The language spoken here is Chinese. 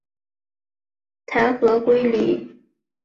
后被弹劾归里。